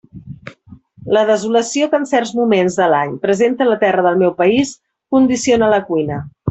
La desolació que en certs moments de l'any presenta la terra del meu país condiciona la cuina.